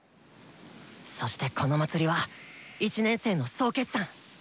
そしてこの祭りは１年生の総決算。